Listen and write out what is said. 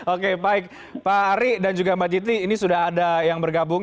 oke baik pak ari dan juga mbak jiti ini sudah ada yang bergabung